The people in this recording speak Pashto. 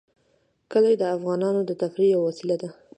کلي د افغانانو د تفریح یوه وسیله ده.